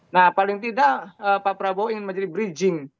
nah paling tidak pak prabowo ingin menjadi bridging